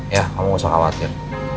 ya kamu gak usah khawatir